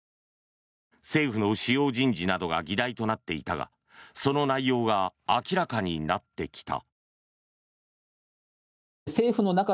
政府の主要人事などが議題となっていたがその内容が明らかになってきた。